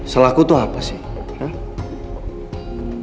selaku itu apa sih